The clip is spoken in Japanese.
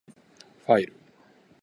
ファイル